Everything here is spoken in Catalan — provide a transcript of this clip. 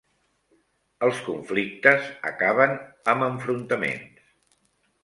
Els conflictes acaben amb enfrontaments.